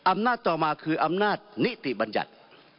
อำนาจต่อมาคืออำนาจนิติบัญญัติ